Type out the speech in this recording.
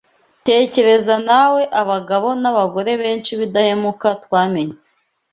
Tekereza nawe abagabo n’abagore benshi b’indahemuka twamenye